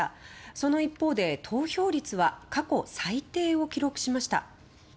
その一方で投票率は過去最低を記録しました。